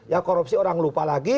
ya korupsi orang lupa lagi